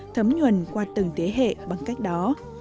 thấm nhuần qua từng thế hệ bằng cách đó